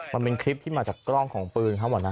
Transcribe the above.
มันเป็นคลิปที่มาจากกล้องของปืนครับหมดนะคะ